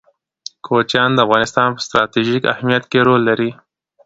کوچیان د افغانستان په ستراتیژیک اهمیت کې رول لري.